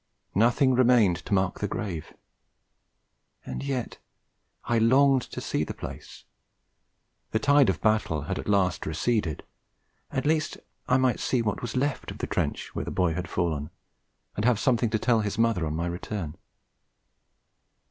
Nothing remained to mark the grave. And yet I longed to see the place; the tide of battle had at last receded; at least I might see what was left of the trench where the boy had fallen, and have something to tell his mother on my return.